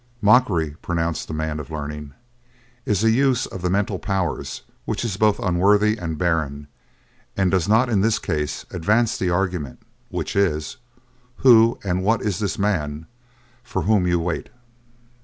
"Mockery," pronounced the man of learning, "is a use of the mental powers which is both unworthy and barren and does not in this case advance the argument, which is: Who and what is this man for whom you wait?"